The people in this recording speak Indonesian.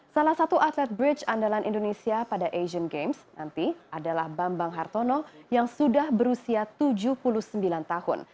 salah satu atlet bridge andalan indonesia pada asian games nanti adalah bambang hartono yang sudah berusia tujuh puluh sembilan tahun